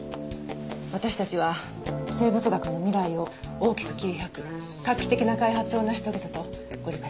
私たちは生物学の未来を大きく切り開く画期的な開発を成し遂げたとご理解ください。